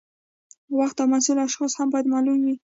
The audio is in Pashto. وخت او مسؤل اشخاص هم باید معلوم وي.